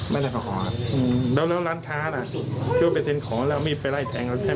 แต่ถ้าตรวจปัจจุบาตรวจตอนนี้เรายอมให้ตรวจไหม